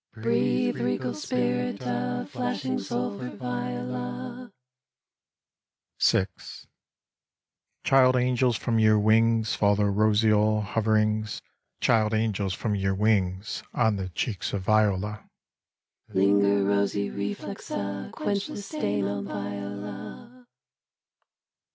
VI The Father of Heaven. Child angels, from your wings Fall the roseal hoverings, Child angels, from your wings On the cheeks of Viola.